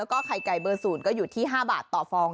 ไก่ไก่เบอร์๐ก็อยู่ที่๕บาทต่อฟอง